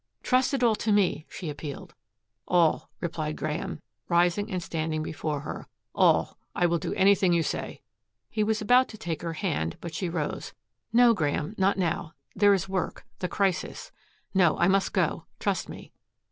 "Trust it all to me," she appealed. "All," replied Graeme, rising and standing before her. "All. I will do anything you say." He was about to take her hand, but she rose. "No, Graeme. Not now. There is work the crisis. No, I must go. Trust me."